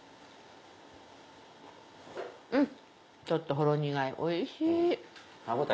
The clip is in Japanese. うんちょっとほろ苦いおいしい。